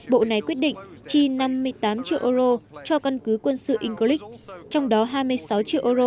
bộ này quyết định chi năm mươi tám triệu euro cho căn cứ quân sự englic trong đó hai mươi sáu triệu euro